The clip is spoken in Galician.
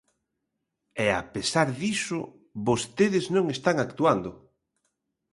E, a pesar diso, vostedes non están actuando.